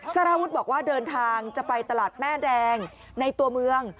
สารวุฒิบอกว่าเดินทางจะไปตลาดแม่แดงในตัวเมือง